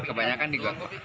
kebanyakan di got